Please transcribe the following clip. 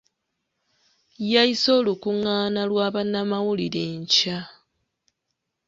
Yayise olukungaana lwa bannamawulire enkya.